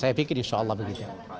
saya pikir insya allah begitu